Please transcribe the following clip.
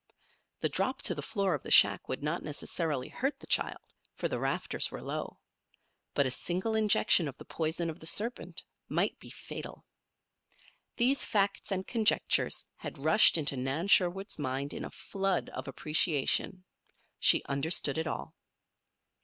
The drop to the floor of the shack would not necessarily hurt the child, for the rafters were low. But a single injection of the poison of the serpent might be fatal. These facts and conjectures had rushed into Nan Sherwood's mind in a flood of appreciation. She understood it all.